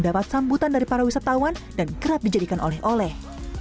dapat sambutan dari para wisatawan dan kerap dijadikan oleh oleh